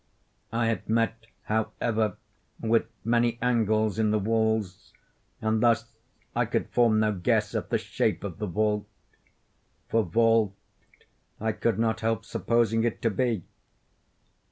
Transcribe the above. I had met, however, with many angles in the wall, and thus I could form no guess at the shape of the vault, for vault I could not help supposing it to be.